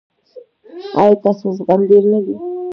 ایا ستاسو زغم ډیر نه دی؟